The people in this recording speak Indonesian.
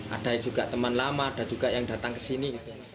ada juga teman lama ada juga yang datang ke sini